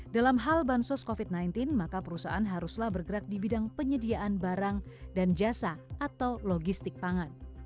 dalam hal bansos covid sembilan belas maka perusahaan haruslah bergerak di bidang penyediaan barang dan jasa atau logistik pangan